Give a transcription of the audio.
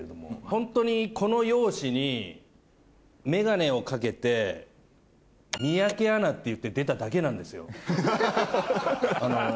ホントにこの容姿に眼鏡を掛けて三宅アナっていって出ただけなんですよ。と思うわよ